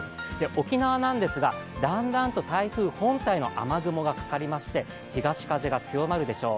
沖縄なんですがだんだんと台風本体の雨雲がかかりまして、東風が強まるでしょう。